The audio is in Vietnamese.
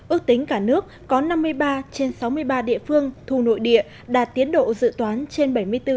ước tính cả nước có năm mươi ba trên sáu mươi ba địa phương thu nội địa đạt tiến độ dự toán trên bảy mươi bốn